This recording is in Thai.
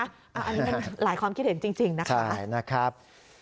อันนี้มันหลายความคิดเห็นจริงนะครับใช่นะครับ